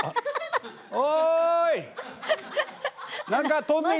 おい！